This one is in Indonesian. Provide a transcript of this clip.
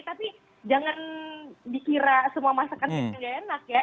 tapi jangan dikira semua masakan kita gak enak ya